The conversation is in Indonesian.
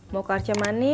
mau ke arcamani